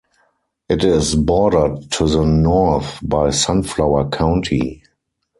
It is bordered to the north by Sunflower County.